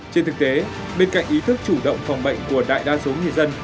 trên thực tế bên cạnh ý thức chủ động phòng bệnh của đại đa số người dân